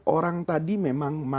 orang tadi menikah itu banyak sekali ya